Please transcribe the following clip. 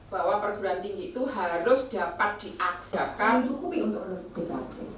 bahwa perguruan tinggi itu harus dapat diaksakan cukupi untuk ukt